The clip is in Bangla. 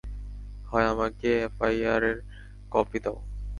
হয়, আমাকে এফআইআর কপি দাও।